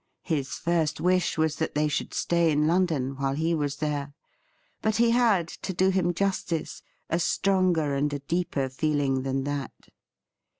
His first wish was that they should stay in London while he was there ; but he had, to do him justice, a stronger and a deeper feeling than that.